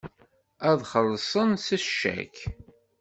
Ad xellṣen s ccak.